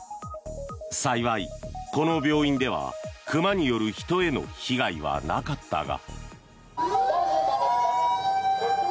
幸い、この病院では熊による人への被害はなかったが。